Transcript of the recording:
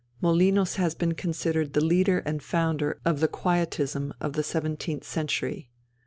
Molinos has been considered the leader and founder of the Quietism of the seventeenth century.